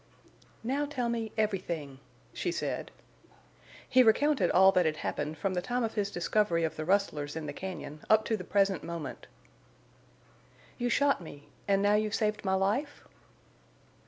"Now tell me—everything," she said. He recounted all that had happened from the time of his discovery of the rustlers in the cañon up to the present moment. "You shot me—and now you've saved my life?"